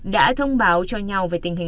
đã thông báo cho nhau về tình hình